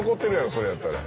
それやったら。